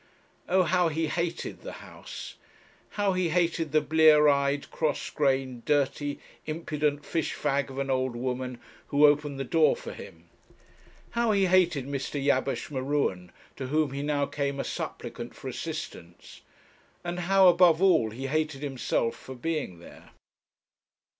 Oh! how he hated the house; how he hated the blear eyed, cross grained, dirty, impudent fish fag of an old woman who opened the door for him; how he hated Mr. Jabesh M'Ruen, to whom he now came a supplicant for assistance, and how, above all, he hated himself for being there.